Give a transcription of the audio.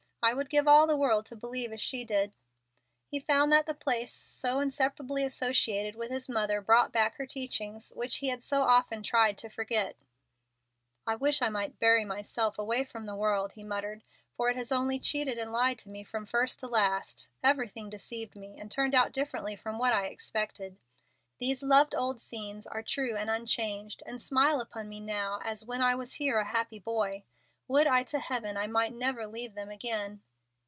I would give all the world to believe as she did." He found that the place so inseparably associated with his mother brought back her teachings, which he had so often tried to forget. "I wish I might bury myself here, away from the world," he muttered, "for it has only cheated and lied to me from first to last. Everything deceived me, and turned out differently from what I expected. These loved old scenes are true and unchanged, and smile upon me now as when I was here a happy boy. Would to heaven I might never leave them again!"